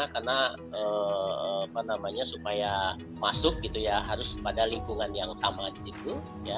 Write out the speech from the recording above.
karena supaya masuk harus pada lingkungan yang sama di situ